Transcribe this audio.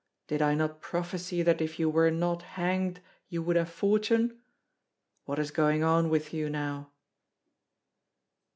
Did I not prophesy that if you were not hanged you would have fortune? What is going on with you now?"